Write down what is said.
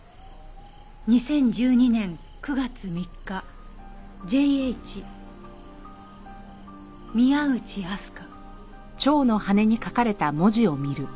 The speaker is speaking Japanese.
「２０１２年９月３日ＪＨ」「宮内あすか」